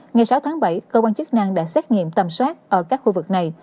ngày sáu tháng bảy cơ quan chức năng đã xét nghiệm tầm soát ở các khu vực này